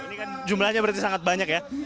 ini kan jumlahnya berarti sangat banyak ya